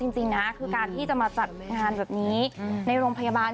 จริงนะคือการที่จะมาจัดงานแบบนี้ในโรงพยาบาล